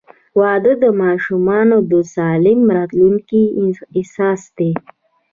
• واده د ماشومانو د سالم راتلونکي اساس دی.